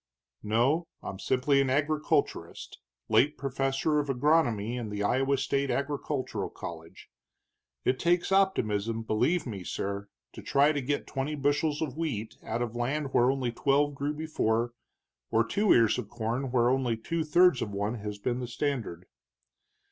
"No, I'm simply an agriculturist, late professor of agronomy in the Iowa State Agricultural College. It takes optimism, believe me, sir, to try to get twenty bushels of wheat out of land where only twelve grew before, or two ears of corn where only two thirds of one has been the standard."